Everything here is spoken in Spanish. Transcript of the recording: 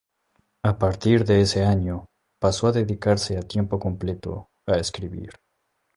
A partir de ese año, pasó a dedicarse a tiempo completo a escribir.